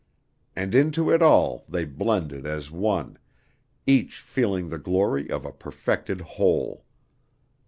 And into it all they blended as one each feeling the glory of a perfected whole.